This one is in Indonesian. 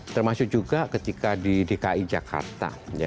termasuk juga ketika di dki jakarta